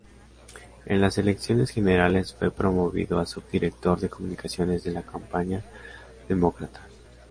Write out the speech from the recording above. En las elecciones generales fue promovido a subdirector de comunicaciones de la campaña demócrata.